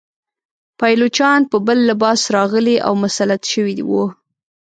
پایلوچان په بل لباس راغلي او مسلط شوي وه.